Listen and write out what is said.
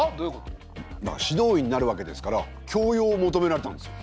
だから指導員になるわけですから教養を求められたんですよ。